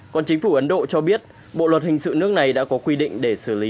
còn chính phủ ấn độ cho biết bộ luật hình sự nước này đã có quy định để xử lý